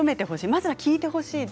まずは聞いてほしい。